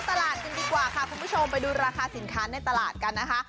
ตลาดกันดีกว่าค่ะคุณผู้ชมไปดูราคาสินค้าในตลาดกันนะคะ